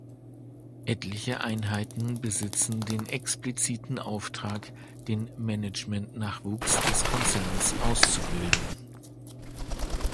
Etliche Einheiten besitzen den expliziten Auftrag, den Management-Nachwuchs des Konzerns auszubilden.